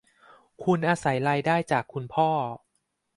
คุณอาศัยรายได้จากคุณพ่อ